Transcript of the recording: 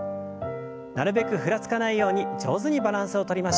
なるべくふらつかないように上手にバランスをとりましょう。